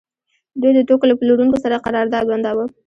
دوی د توکو له پلورونکو سره قرارداد بنداوه